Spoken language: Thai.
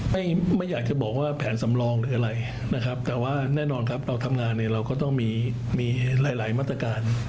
ไม่ไม่อยากจะบอกว่าแผนสำรองหรืออะไรนะครับแต่ว่าแน่นอนครับเราทำงานเนี่ยเราก็ต้องมีมีหลายหลายมาตรการ